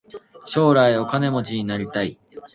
将来お金持ちになりたい。